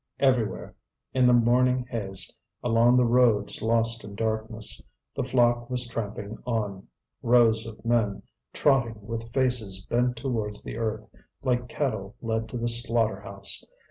Everywhere, in the morning haze, along the roads lost in darkness, the flock was tramping on, rows of men trotting with faces bent towards the earth, like cattle led to the slaughter house.